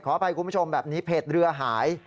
อภัยคุณผู้ชมแบบนี้เพจเรือหาย